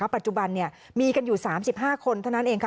ปัจจุบันมีกันอยู่๓๕คนเท่านั้นเองค่ะ